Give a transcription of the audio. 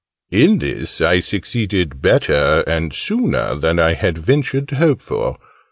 In this I succeeded better, and sooner, than I had ventured to hope for.